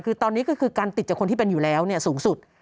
คือตอนนี้ก็คือการติดจากคนที่เป็นอยู่แล้วสูงสุด